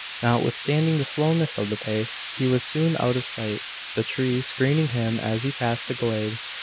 Notwithstanding the slowness of the pace he was soon out of sight, the trees screening him as he passed the glade.